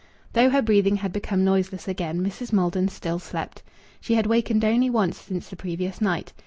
Though her breathing had become noiseless again, Mrs. Maldon still slept. She had wakened only once since the previous night.